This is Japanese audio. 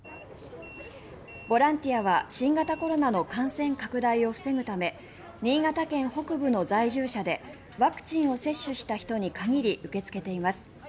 ボランティアは新型コロナの感染拡大を防ぐため新潟県北部の在住者でワクチンを接種した人に限り受け付けています。